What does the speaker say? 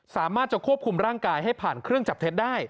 สามารถจะควบคุมร่างกายให้ผ่านเครื่องจับเท็จได้